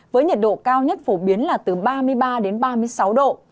với nhận độ cao nhất phổ biến là từ ba mươi ba ba mươi sáu độ